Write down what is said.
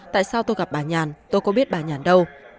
tại sao tôi gặp bà nhàn tôi có biết bà nhàn đâu